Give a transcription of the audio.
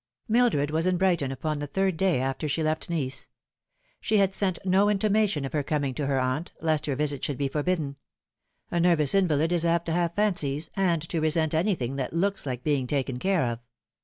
MILDRED was in Brighton upon the third day after she left Nice. She had sent no intimation of her coming to her aunt, lest her visit should be forbidden. A nervous invalid is apt to have fancies, and to resent anything that looks like being taken care of.